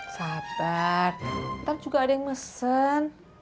sabar ntar juga ada yang mesen